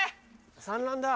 産卵だ。